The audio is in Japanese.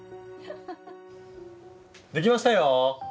できましたよ！